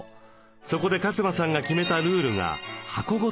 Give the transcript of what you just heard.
そこで勝間さんが決めたルールが。